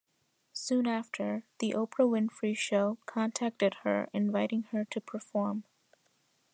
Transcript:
Soon after, "The Oprah Winfrey Show" contacted her, inviting her to perform.